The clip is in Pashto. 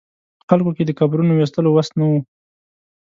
خلکو کې د قبرونو ویستلو وس نه و.